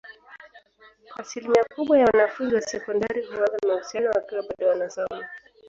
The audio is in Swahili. Asilimia kubwa ya wanafunzi wa sekondari huanza mahusiano wakiwa bado wanasoma